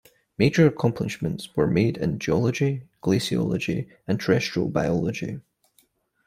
Major accomplishments were made in geology, glaciology and terrestrial biology.